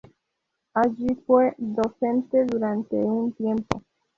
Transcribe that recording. Allí fue docente durante un tiempo.